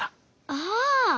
ああ！